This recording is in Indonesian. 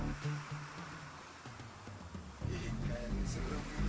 aku gak mau mati di sini be